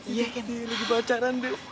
iya lagi pacaran dik